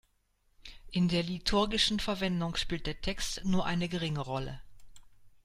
In der liturgischen Verwendung spielt der Text nur eine geringe Rolle.